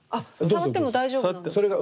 触っても大丈夫なんですか。